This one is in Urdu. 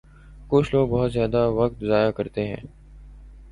کچھ لوگ بہت زیادہ وقت ضائع کرتے ہیں